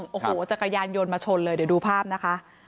โรงจะกระยารโยนมาชนเลยเดี๋ยวดูภาพนะคะ